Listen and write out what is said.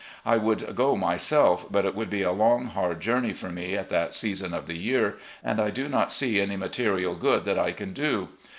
I would go myself, but it would be a long, hard journey for me at that season of the year, and I do not see any material good that I can do.